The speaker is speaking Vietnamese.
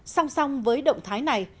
song song với động thái này